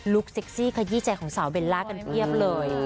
เซ็กซี่ขยี้ใจของสาวเบลล่ากันเพียบเลย